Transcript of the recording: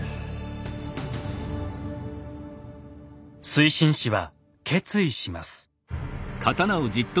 水心子は決意します。